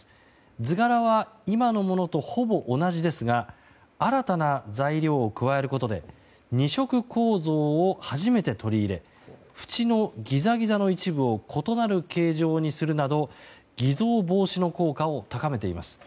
図柄は今のものとほぼ同じですが新たな材料を加えることで２色構造を初めて取り入れ縁のギザギザの一部を異なる形状にするなど偽造防止の効果を高めています。